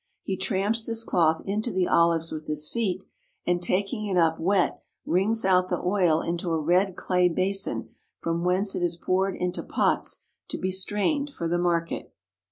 He tramps this cloth into the olives with his feet and taking it up wet, wrings out the oil into a red clay basin from whence it is poured into pots to be strained for the market.